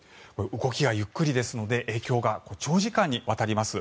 動きがゆっくりですので影響が長時間にわたります。